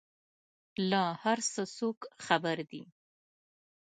له هر څه څوک خبر دي؟